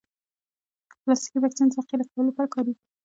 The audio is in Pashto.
پلاستيکي بکسونه د ذخیره کولو لپاره کارېږي.